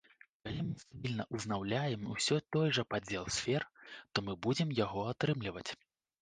Калі мы стабільна ўзнаўляем усё той жа падзел сфер, то мы будзем яго атрымліваць.